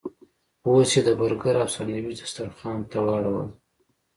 اوس یې د برګر او ساندویچ دسترخوان ته واړولو.